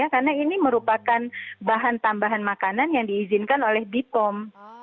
karena ini merupakan bahan tambahan makanan yang diizinkan oleh bipom